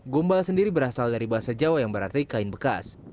gumbal sendiri berasal dari bahasa jawa yang berarti kain bekas